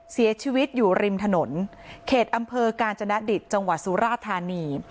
เสียชีวิตอยู่ริมถนนเขตอำเภอกาญจนดิตจังหวัดสุราธานี